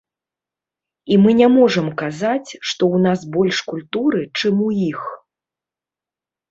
І мы не можам казаць, што ў нас больш культуры, чым у іх.